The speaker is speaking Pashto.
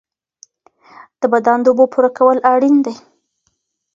د بدن د اوبو پوره کول اړین دي.